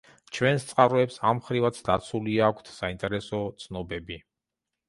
ჩვენს წყაროებს ამ მხრივაც დაცული აქვთ საინტერესო ცნობები.